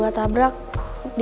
ganteng semua aduh ahmad